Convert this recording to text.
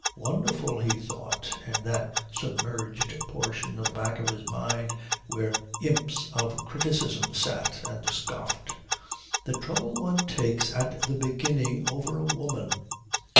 "Wonderful," he thought in that submerged portion of the back of his mind where imps of criticism sat and scoffed, "the trouble one takes at the beginning over a woman."